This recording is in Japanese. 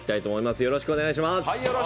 よろしくお願いします。